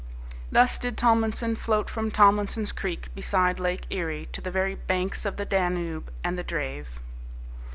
Thus did Tomlinson float from Tomlinson's Creek beside Lake Erie to the very banks of the Danube and the Drave.